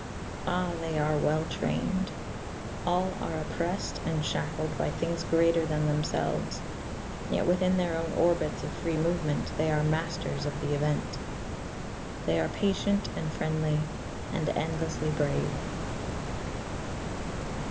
Ah, they are well trained. All are oppressed and shackled by things greater than themselves; yet within their own orbits of free movement they are masters of the event. They are patient and friendly, and endlessly brave.